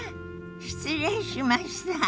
失礼しました。